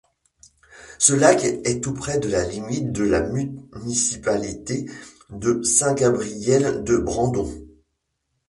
Ce lac est tout près de la limite de la municipalité de Saint-Gabriel-de-Brandon.